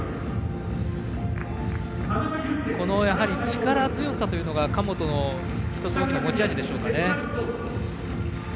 力強さというのが、神本の１つ大きな持ち味でしょうかね。